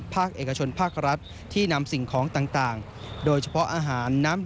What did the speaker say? ภาคเอกชนภาครัฐที่นำสิ่งของต่างโดยเฉพาะอาหารน้ำ